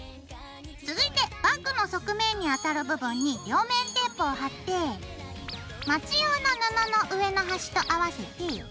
続いてバッグの側面にあたる部分に両面テープを貼ってマチ用の布の上の端と合わせて。